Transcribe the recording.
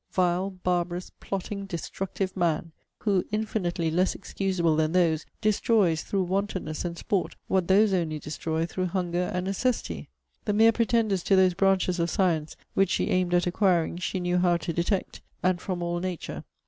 Vile, barbarous, plotting, destructive man! who, infinitely less excusable than those, destroys, through wantonness and sport, what those only destroy through hunger and necessity! The mere pretenders to those branches of science which she aimed at acquiring she knew how to detect; and from all nature.